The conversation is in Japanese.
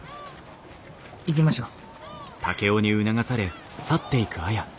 行きましょう。